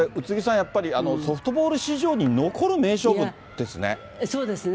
やっぱり、ソフトボール史上に残る名勝負ですね。